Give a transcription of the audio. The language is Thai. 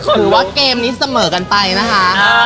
ว่าเกมนี้เสมอกันไปนะคะ